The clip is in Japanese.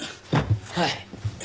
はい。